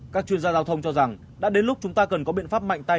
các chuyên gia giao thông cho rằng đã đến lúc chúng ta cần có biện pháp mạnh tay